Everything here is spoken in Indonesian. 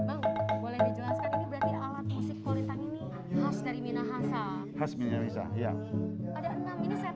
bang boleh dijelaskan ini berarti alat musik kolintang ini khas dari minahasa